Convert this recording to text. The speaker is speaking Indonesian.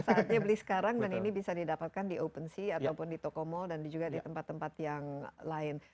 saatnya beli sekarang dan ini bisa didapatkan di opensea ataupun di toko mall dan juga di tempat tempat yang lain